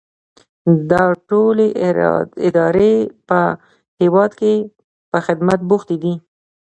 دا ټولې ادارې په هیواد کې په خدمت بوختې دي.